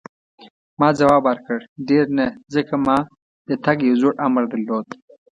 ما ځواب ورکړ: ډېر نه، ځکه ما د تګ یو زوړ امر درلود.